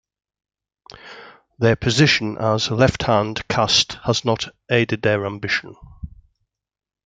Their position as a left-hand caste has not aided their ambition.